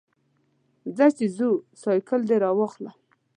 ځه چې ځو، سایکل دې راواخله.